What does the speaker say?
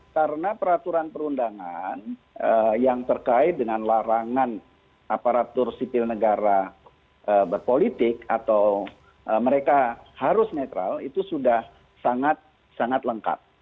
karena peraturan perundangan yang terkait dengan larangan aparatur sipil negara berpolitik atau mereka harus netral itu sudah sangat sangat lengkap